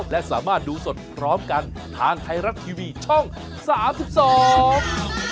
และสามารถดูสดพร้อมกันทางไทยรัฐทีวีช่องสามสิบสอง